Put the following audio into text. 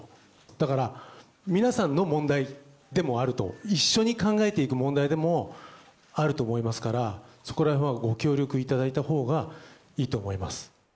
だから、皆さんの問題でもあると、一緒に考えていく問題でもあると思いますから、そこらへんはご協力いただいた方がいいと思います。